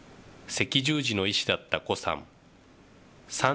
赤十字の医師だった胡さん。